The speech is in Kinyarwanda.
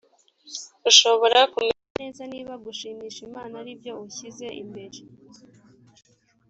ushobora kumenya neza niba gushimisha imana ari byo ushyize imbere